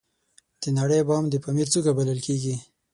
د نړۍ بام د پامیر څوکه بلل کیږي